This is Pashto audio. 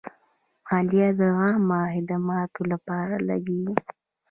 مالیه د عامه خدماتو لپاره لګیږي.